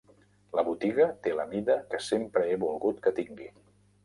La botiga té la mida que sempre he volgut que tingui.